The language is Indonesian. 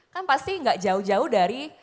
kan pasti nggak jauh jauh dari